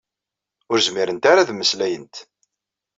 Ur zmirent ara ad mmeslayent.